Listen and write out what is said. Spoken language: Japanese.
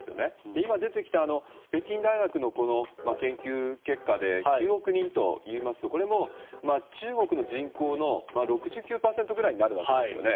今、出てきた北京大学の研究結果で９億人といいますと中国の人口の６９％ぐらいになるわけですよね。